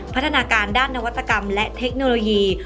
พัฒนาการด้านนวัตกรรมและเทคโนโลยี